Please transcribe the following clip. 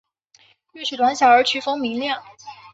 乐曲短小而曲风明亮。